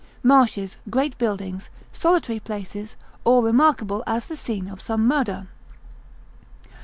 (marshes, great buildings, solitary places, or remarkable as the scene of some murder.)